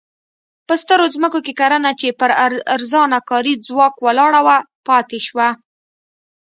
په سترو ځمکو کې کرنه چې پر ارزانه کاري ځواک ولاړه وه پاتې شوه.